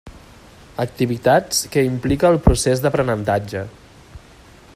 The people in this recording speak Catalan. Activitats que implica el procés d'aprenentatge.